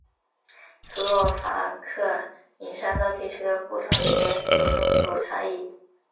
斯洛伐克饮食按照地区的不同也有所差异。